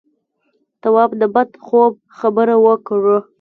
تواب د بد خوب خبره وکړه.